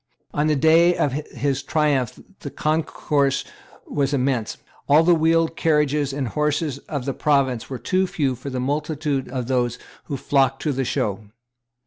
On the day of his triumph the concourse was immense. All the wheeled carriages and horses of the province were too few for the multitude of those who flocked to the show.